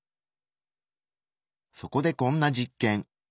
そこでこんな実験。